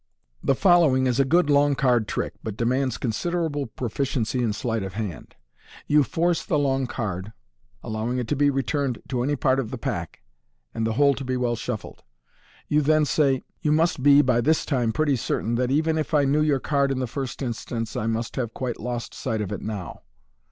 The following is a good long card trick, but demands consider MODERN MAGIC. able proficiency in sleight of hand. You ''force the long card, allowing it to be returned to any part of the pack, and the whole to be well shuffled. You then say, " You must be by this time pretty certain that, even if I knew your card in the first instance, I must have quite lost sight of it now.